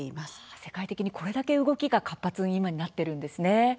世界的に、これだけ動きが活発になっているんですね。